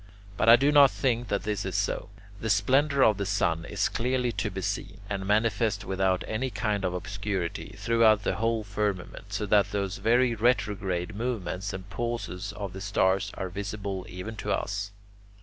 But I do not think that this is so. The splendour of the sun is clearly to be seen, and manifest without any kind of obscurity, throughout the whole firmament, so that those very retrograde movements and pauses of the stars are visible even to us.